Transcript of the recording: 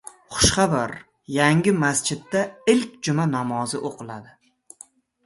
Xushxabar: Yangi masjidda ilk juma namozi o‘qiladi